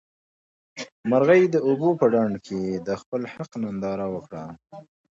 مرغۍ د اوبو په ډنډ کې د خپل حق ننداره وکړه.